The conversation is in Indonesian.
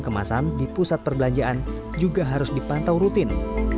kemasan di pusat perbelanjaan juga harus dipantau rutin